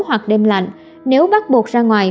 hoặc đêm lạnh nếu bắt buộc ra ngoài